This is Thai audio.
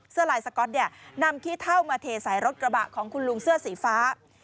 ลายสก๊อตเนี่ยนำขี้เท่ามาเทใส่รถกระบะของคุณลุงเสื้อสีฟ้า